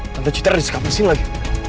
tante cita ada disekapin disini lagi